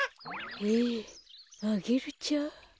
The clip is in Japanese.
えアゲルちゃん？